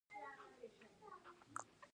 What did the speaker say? انار د افغانستان د ښاري پراختیا سبب کېږي.